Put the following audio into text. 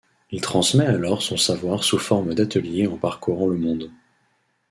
Il transmet alors son savoir sous forme d'ateliers en parcourant le monde.